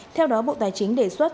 theo đó bộ tài chính đề xuất